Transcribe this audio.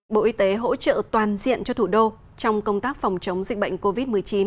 bộ y tế hỗ trợ toàn diện cho thủ đô trong công tác phòng chống dịch bệnh covid một mươi chín